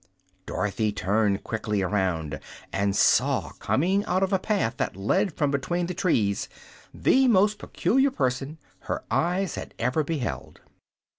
Dorothy turned quickly around, and saw coming out of a path that led from between the trees the most peculiar person her eyes had ever beheld.